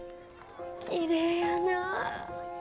きれいやなあ。